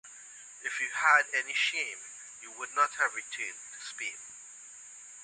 If you had any shame you would not have returned to Spain.